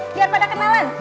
biar pada kenalan